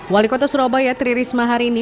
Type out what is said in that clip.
wali kota surabaya tri risma hari ini